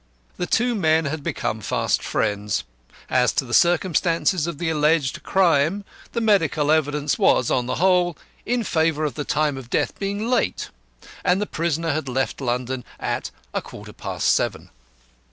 The two men had become fast friends. As to the circumstances of the alleged crime, the medical evidence was on the whole in favour of the time of death being late; and the prisoner had left London at a quarter past seven.